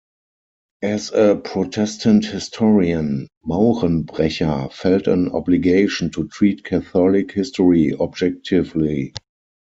As a Protestant historian, Maurenbrecher felt an obligation to treat Catholic history objectively.